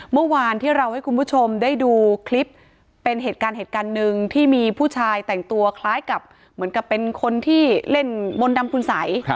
เมื่อวานที่เราให้คุณผู้ชมได้ดูคลิปเป็นเหตุการณ์เหตุการณ์หนึ่งที่มีผู้ชายแต่งตัวคล้ายกับเหมือนกับเป็นคนที่เล่นมนต์ดำคุณสัย